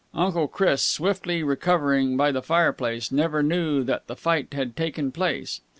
Uncle Chris, swiftly recovering by the fireplace, never knew that the fight had taken place.